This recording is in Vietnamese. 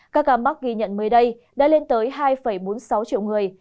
các cam mắt ghi nhận mới đây đã lên tới hai bốn mươi sáu triệu người